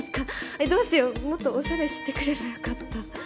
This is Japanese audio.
えどうしようもっとオシャレしてくればよかった。